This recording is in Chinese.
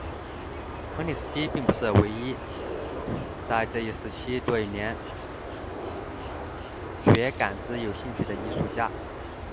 康定斯基并不是唯一在这一时期对联觉感知有兴趣的艺术家。